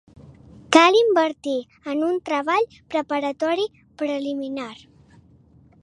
Cal invertir en un treball preparatori preliminar.